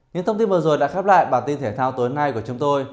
những thông tin vừa rồi đã khép lại bản tin thể thao tối nay của chúng tôi